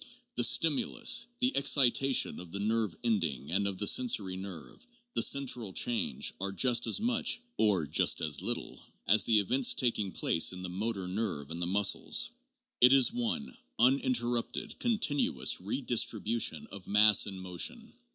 The ' stimulus,' the excitation of the nerve ending and of the sensory nerve, the central change, are just as much, or just as little, motion as the events taking place in the motor nerve and the muscles. It is one uninter rupted, continuous redistribution of mass in motion.